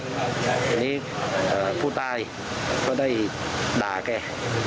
ทีนี้ผู้ตายก็ได้ด่าแก